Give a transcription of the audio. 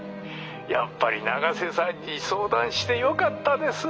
やっぱり永瀬さんに相談してよかったです。